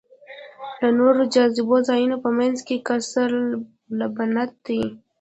له نورو جذابو ځایونو په منځ کې قصرالبنت دی.